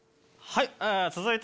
はい！